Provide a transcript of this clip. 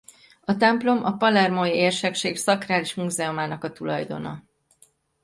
A templom a Palermói érsekség Szakrális múzeumának a tulajdona.